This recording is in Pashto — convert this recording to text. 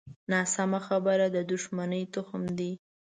ناسمه خبره د دوښمنۍ تخم دی